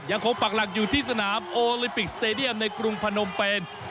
ปักหลักอยู่ที่สนามโอลิมปิกสเตดียมในกรุงพนมเปน